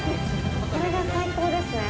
これが最高ですね。